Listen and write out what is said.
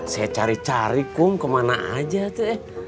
saya cari cari kum kemana aja ate